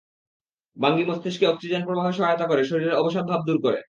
বাঙ্গি মস্তিষ্কে অক্সিজেন প্রবাহে সহায়তা করে শরীরের অবসাদ ভাব দূর করে।